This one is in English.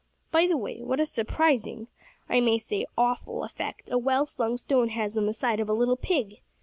By the way, what a surprising, I may say awful, effect a well slung stone has on the side of a little pig!